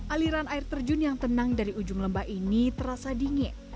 aliran air terjun yang tenang dari ujung lembah ini terasa dingin